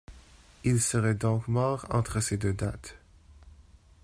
Il serait donc mort entre ces deux dates.